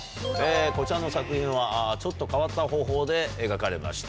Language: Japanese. こちらの作品はちょっと変わった方法で描かれました。